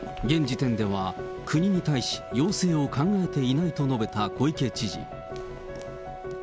現時点では国に対し要請を考えていないと述べた小池知事。